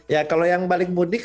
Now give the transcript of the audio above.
ya kalau yang balik mudik